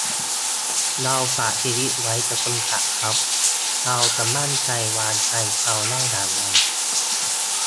เราฝากชีวิตไว้กับคนขับครับ : เราจะมั่นใจวางใจเขาได้อย่างไร